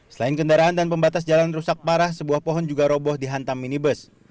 selain kendaraan dan pembatas jalan rusak parah sebuah pohon juga roboh dihantam minibus